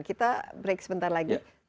kita break sebentar lagi